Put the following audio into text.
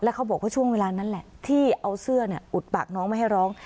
เขาบอกว่าช่วงเวลานั้นแหละที่เอาเสื้ออุดปากน้องไม่ให้ร้อง